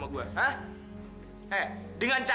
udah cantik venezia